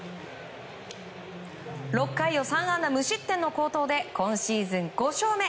６回を３安打無失点の好投で今シーズン５勝目。